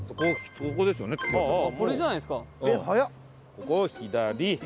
ここを左。